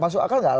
masuk akal nggak